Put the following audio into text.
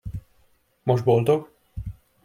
Most boldog?